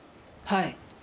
はい。